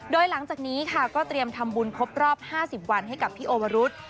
โดยหลังจากนี้ค่ะก็เตรียมทำบุญครบรอบ๕๐วันให้กับพี่โอวรุษ